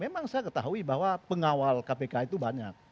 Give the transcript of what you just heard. memang saya ketahui bahwa pengawal kpk itu banyak